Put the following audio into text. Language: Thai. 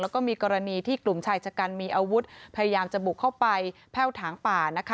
แล้วก็มีกรณีที่กลุ่มชายชะกันมีอาวุธพยายามจะบุกเข้าไปแพ่วถางป่านะคะ